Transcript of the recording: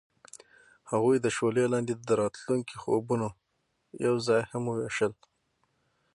هغوی د شعله لاندې د راتلونکي خوبونه یوځای هم وویشل.